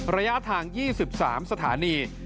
ระยะทาง๒๓สถานี